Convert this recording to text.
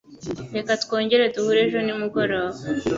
Reka twongere duhure ejo nimugoroba.